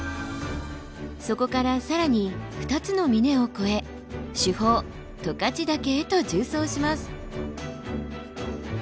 そこから更に２つの峰を越え主峰十勝岳へと縦走します。